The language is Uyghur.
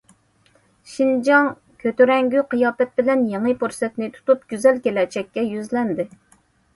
شىنجاڭ كۆتۈرەڭگۈ قىياپەت بىلەن يېڭى پۇرسەتنى تۇتۇپ، گۈزەل كېلەچەككە يۈزلەندى.